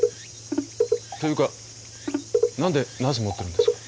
っていうか何でナス持ってるんですか？